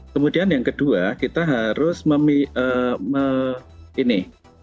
kemudian yang kedua kita harus ini